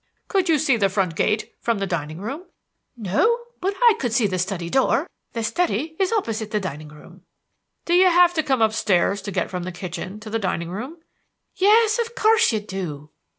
"Could you see the front gate from the dining room?" "No, but I could see the study door. The study is opposite the dining room." "Do you have to come upstairs to get from the kitchen to the dining room?" "Yes, of course you do!"